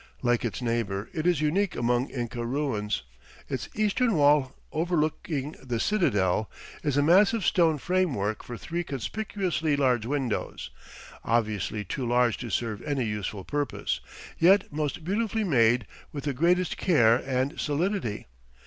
Like its neighbor, it is unique among Inca ruins. Its eastern wall, overlooking the citadel, is a massive stone framework for three conspicuously large windows, obviously too large to serve any useful purpose, yet most beautifully made with the greatest care and solidity.